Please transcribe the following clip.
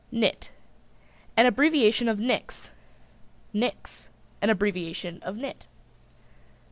NIT. An abbreviation of Nix. NIX. An abbreviation of Nit.